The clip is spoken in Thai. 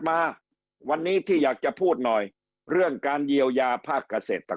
มาวันนี้ที่อยากจะพูดหน่อยเรื่องการเยียวยาภาคเกษตร